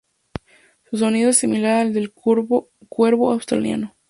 Su sonido es similar al del cuervo australiano.